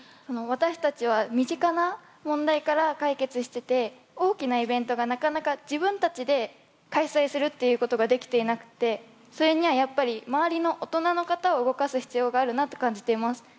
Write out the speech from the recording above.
私たちは身近な問題から解決してて大きなイベントがなかなか自分たちで開催するっていうことができていなくてそれにはやっぱり周りの大人の方を動かす必要があるなって感じています。